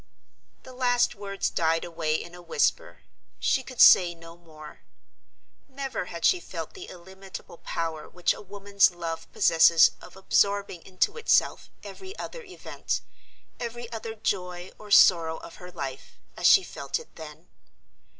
The last words died away in a whisper; she could say no more. Never had she felt the illimitable power which a woman's love possesses of absorbing into itself every other event, every other joy or sorrow of her life, as she felt it then.